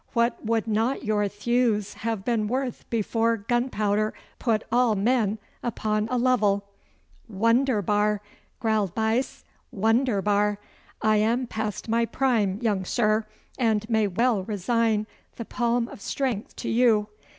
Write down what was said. What would not your thews have been worth before gunpowder put all men upon a level!' 'Wunderbar!' growled Buyse, 'wunderbar! I am past my prime, young sir, and may well resign the palm of strength to you.